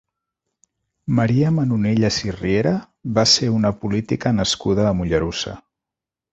Maria Manonelles i Riera va ser una política nascuda a Mollerussa.